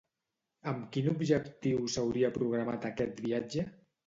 Amb quin objectiu s'hauria programat aquest viatge?